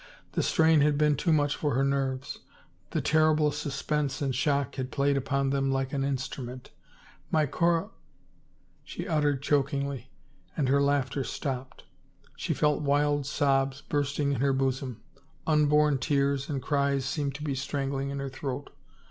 The strain had been too much for her nerves; the terrible suspense and shock had played upon them like an instrument. " My coro —" she uttered chokingly, and her laughter stopped. She felt wild sobs bursting in her bosom ; unborn tears and cries seemed to be strangling her in her throat.